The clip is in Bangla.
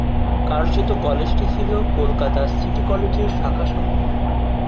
কার্যত কলেজটি ছিল কলকাতা সিটি কলেজের শাখাস্বরূপ।